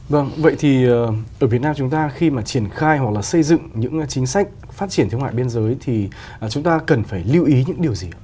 vâng vậy thì ở việt nam chúng ta khi mà triển khai hoặc là xây dựng những chính sách phát triển thương mại biên giới thì chúng ta cần phải lưu ý những điều gì